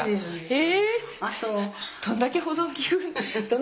え。